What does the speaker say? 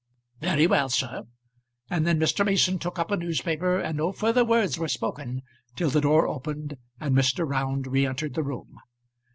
"Very well, sir." And then Mr. Mason took up a newspaper, and no further words were spoken till the door opened and Mr. Round re entered the room.